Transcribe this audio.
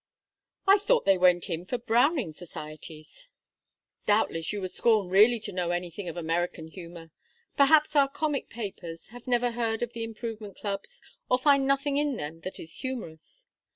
"I thought they went in for Browning Societies." "Doubtless you would scorn really to know anything of American humor. Perhaps our comic papers have never heard of the Improvement Clubs, or find nothing in them that is humorous.